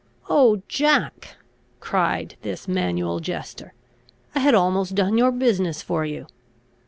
"Oh, Jack!" cried this manual jester, "I had almost done your business for you!"